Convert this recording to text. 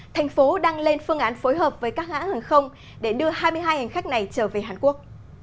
thành phố đang lên phương án phối hợp với các hãng hàng không để đưa hai mươi hai hành khách này trở về hàn quốc